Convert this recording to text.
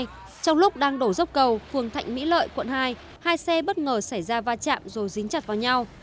trong lúc đang đổ dốc cầu phường thạnh mỹ lợi quận hai hai xe bất ngờ xảy ra va chạm rồi dính chặt vào nhau